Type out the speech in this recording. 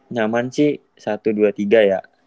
nyaman sih satu dua tiga ya